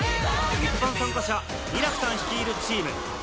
一般参加者ミラクさん率いるチーム。